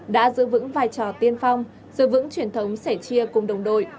đã giữ vững vai trò tiên phong giữ vững truyền thống sẻ chia cùng đồng đội